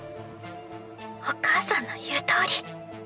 お母さんの言うとおり。